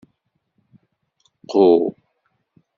Qqu.